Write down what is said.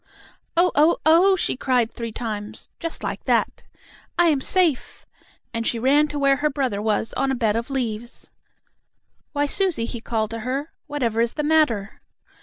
"Oh! Oh! Oh!" she cried three times, just like that. "I am safe!" and she ran to where her brother was, on a bed of leaves. "Why, Susie!" he called to her. "Whatever is the matter?"